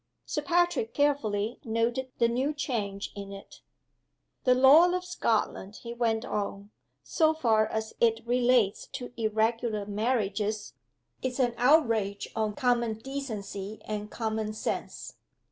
Sir Patrick carefully noted the new change in it. "The law of Scotland," he went on, "so far as it relates to Irregular Marriages, is an outrage on common decency and common sense.